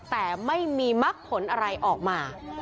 แต่ไม่มีมักผลอะไรออกมา